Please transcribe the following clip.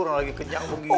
aduh lagi kenyang begini